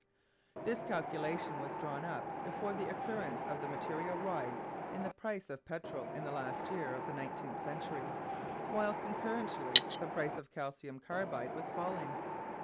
This calculation was drawn up before the occurrence of the material rise in the price of "petrol" in the last year of the nineteenth century; while, concurrently, the price of calcium carbide was falling.